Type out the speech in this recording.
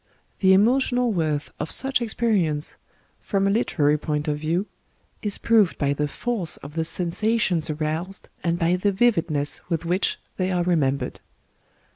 The emo tional worth of such experience — from a literary point of view — is proved by the force of the sen sations aroused, and by the vividness with which they are remembered.